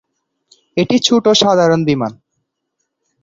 এটি ছোট সাধারণ বিমান।